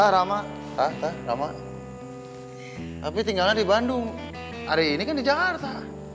ramah ramah tapi tinggal di bandung hari ini kan di jakarta